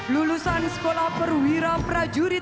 lulusan sekolah perwira tni angkatan darat